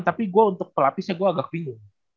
tapi gue untuk pelapisnya gue agak bingung